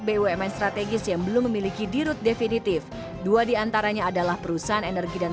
bumn strategis yang belum memiliki dirut definitif dua diantaranya adalah perusahaan energi dan